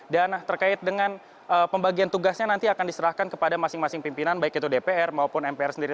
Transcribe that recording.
dan terkait dengan pembagian tugasnya nanti akan diserahkan kepada masing masing pimpinan baik itu dpr maupun mpr sendiri